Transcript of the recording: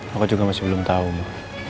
aku juga masih belum tahu ma